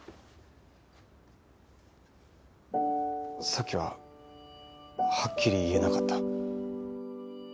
さっきははっきり言えなかった。